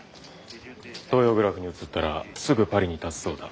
東洋グラフに移ったらすぐパリにたつそうだ。